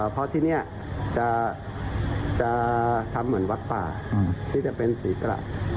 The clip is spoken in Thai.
เพราะที่นี่จะทำเหมือนวัดป่าที่จะเป็นศรีกระ